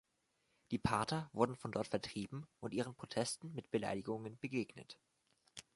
Die Parther wurden von dort vertrieben und ihren Protesten mit Beleidigungen begegnet.